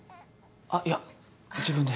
あっいや自分で。